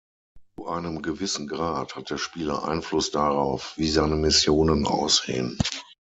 Zu einem gewissen Grad hat der Spieler Einfluss darauf, wie seine Missionen aussehen.